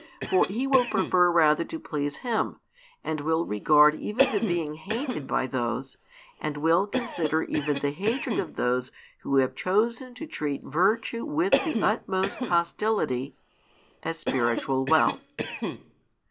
For he will prefer rather to please Him, and will regard even the being hated by those, and will consider even the hatred of those who have chosen to treat virtue with the utmost hostility, as spiritual wealth.